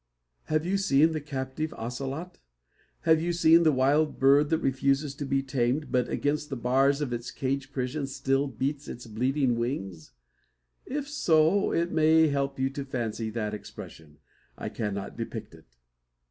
Have you seen the captive ocelot? Have you seen the wild bird that refuses to be tamed, but against the bars of its cage prison still beats its bleeding wings? If so, it may help you to fancy that expression. I cannot depict it.